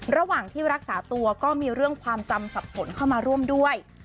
ระหว่างที่รักษาตัวก็มีเรื่องความจำสับสนเข้ามาร่วมด้วย